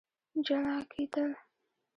جلا کېدل